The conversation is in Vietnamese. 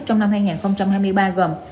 trong năm hai nghìn hai mươi ba gồm